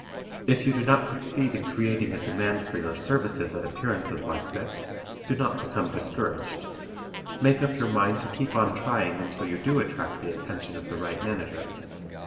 If you do not succeed in creating a demand for your services at appearances like this, do not become discouraged; make up your mind to keep on trying until you do attract the attention of the right manager.